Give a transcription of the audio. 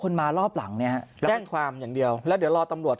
มารอบหลังเนี่ยฮะแจ้งความอย่างเดียวแล้วเดี๋ยวรอตำรวจ